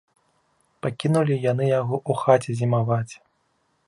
Пакінулі яны яго ў хаце зімаваць.